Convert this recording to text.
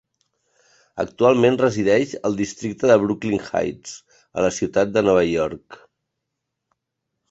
Actualment resideix al districte de Brooklyn Heights, a la ciutat de Nova York.